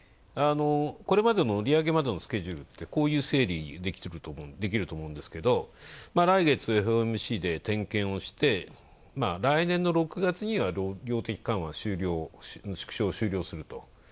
これまでのスケジュールはこういう整理できると思うんですが、来月ＦＯＭＣで点検をして、来年の６月には量的緩和の縮小が終了すると。